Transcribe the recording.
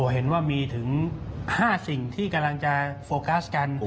เห็นว่ามีถึง๕สิ่งที่กำลังจะโฟกัสกัน